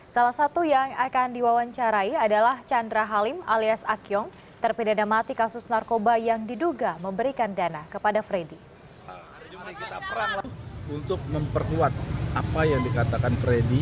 salah satu yang akan diwawancarai adalah chandra halim alias akyong terpidana mati kasus narkoba yang diduga memberikan dana kepada freddy